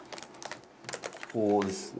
ここですね